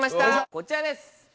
こちらです。